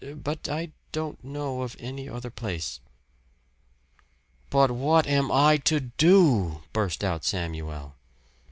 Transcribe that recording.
But I don't know of any other place." "But what am I to do?" burst out Samuel.